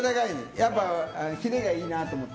やっぱりヒレがいいなと思って。